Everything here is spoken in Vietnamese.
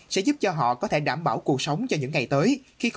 sẽ giúp cho họ có thể đảm bảo cuộc sống cho những ngày tới